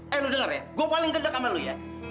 eh lu denger ya gua paling gendek sama lu ya